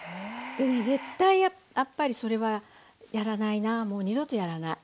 でね絶対やっぱりそれはやらないなもう二度とやらない。